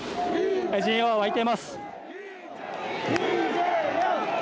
陣営は沸いています。